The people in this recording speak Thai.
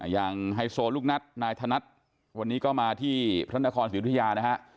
อย่างไฮโซลลูกนัดนายธนัดวันนี้ก็มาที่พระราชนครศิริยานะฮะ